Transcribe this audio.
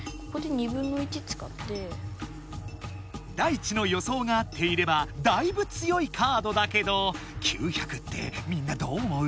ダイチの予想が合っていればだいぶ強いカードだけど９００ってみんなどう思う？